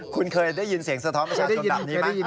คุณเคยได้ยินเสียงสะท้อนประชาชนแบบนี้ไหม